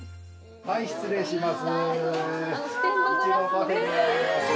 はい、失礼します。